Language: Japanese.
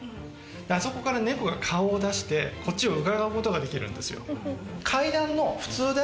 あそこから猫が顔を出してこっちをうかがうことができるんですよ。